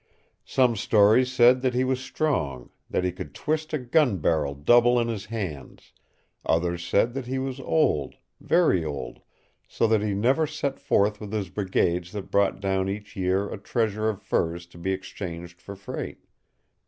Some stories said that he was strong, that he could twist a gun barrel double in his hands; others said that he was old, very old, so that he never set forth with his brigades that brought down each year a treasure of furs to be exchanged for freight.